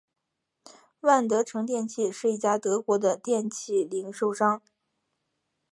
万得城电器是一家德国的电器零售商。